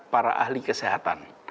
para ahli kesehatan